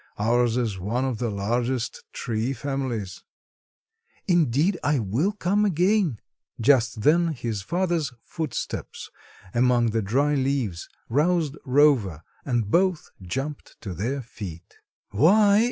Ours is one of the largest tree families." "Indeed, I will come again." Just then his father's footsteps among the dry leaves roused Rover, and both jumped to their feet. "Why!"